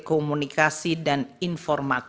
dan menjaga daya beli masyarakat